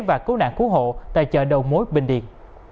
và cứu nạn cứu hộ tại chợ đầu mối bình điền